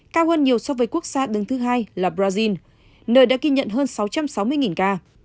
cao hơn nhiều so với quốc gia đứng thứ hai là brazil nơi đã ghi nhận hơn sáu trăm sáu mươi ca